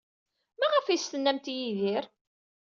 Maɣef ay as-tennamt i Yidir?